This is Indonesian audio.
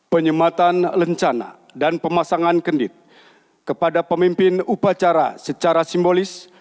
penyematan lencana dan pemasangan kendit kepada pemimpin upacara secara simbolis